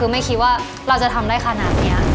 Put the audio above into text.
คือไม่คิดว่าเราจะทำได้ขนาดนี้